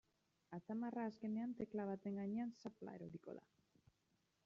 Atzamarra azkenean tekla baten gainean zapla eroriko da.